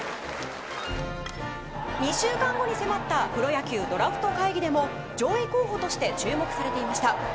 ２週間後に迫ったプロ野球ドラフト会議でも上位候補として注目されていました。